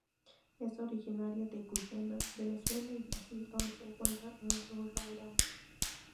Es originaria de Guyana, Venezuela y Brasil, donde se encuentra en Roraima.